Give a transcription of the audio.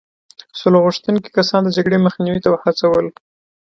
سوله غوښتونکي کسان د جګړې مخنیوي ته وهڅول.